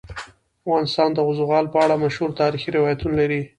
افغانستان د زغال په اړه مشهور تاریخی روایتونه لري.